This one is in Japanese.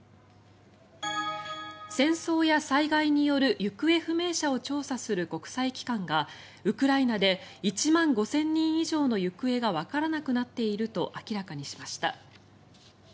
戦争や災害による行方不明者を調査する国際機関がウクライナで１万５０００人以上の行方がわからなくなっていると明らかにしました。